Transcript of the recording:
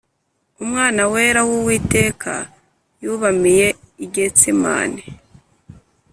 Umwana wera w’uwiteka yubamiye igetsemane